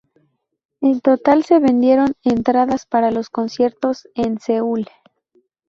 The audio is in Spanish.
En total se vendieron entradas para los conciertos en Seúl.